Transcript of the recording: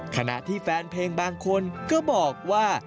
ขณะที่แฟนเพลงบางคนก็บอกว่า